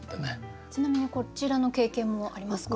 ちなみにこちらの経験もありますか？